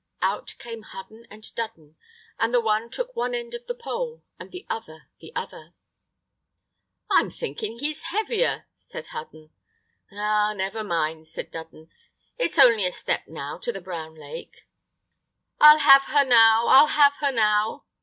Out came Hudden and Dudden, and the one took one end of the pole, and the other the other. "I'm thinking he's heavier," said Hudden. "Ah, never mind," said Dudden; "it's only a step now to the Brown Lake." "I'll have her now! I'll have her now!"